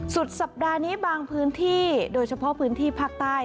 สุดสัปดาห์นี้บางพื้นที่โดยเฉพาะพื้นที่ภาคใต้